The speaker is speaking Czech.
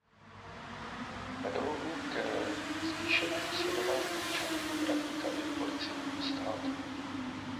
Vedou ke zvýšenému sledování občanů praktikami policejního státu.